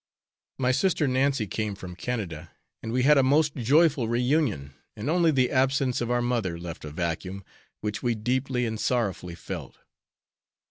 My sister Nancy came from Canada, and we had a most joyful reunion, and only the absence of our mother left a vacuum, which we deeply and sorrowfully felt.